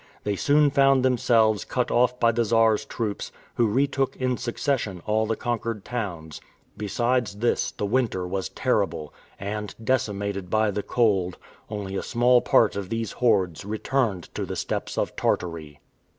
They soon found themselves cut off by the Czar's troops, who retook in succession all the conquered towns. Besides this, the winter was terrible, and, decimated by the cold, only a small part of these hordes returned to the steppes of Tartary.